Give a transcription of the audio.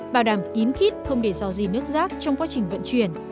bảo đảm kín khít không để do gì nước rác trong quá trình vận chuyển